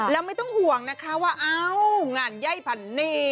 แล้วไม่ต้องห่วงนะคะว่าอ้าวงานไยพันนี่